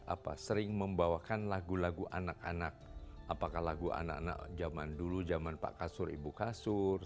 apa sering membawakan lagu lagu anak anak apakah lagu anak anak zaman dulu zaman pak kasur ibu kasur